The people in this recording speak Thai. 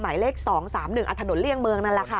หมายเลข๒๓๑ถนนเลี่ยงเมืองนั่นแหละค่ะ